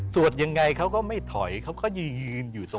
ยังไงเขาก็ไม่ถอยเขาก็ยืนอยู่ตรง